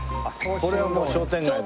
これはもう商店街です。